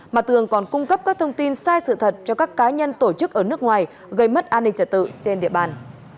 ma tương còn cung cấp các thông tin sai sự thật cho các cá nhân tổ chức ở nước ngoài gây mất an ninh trả tự trên địa bàn